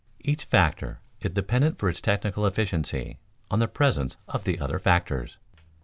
_ Each factor is dependent for its technical efficiency on the presence of the other factors.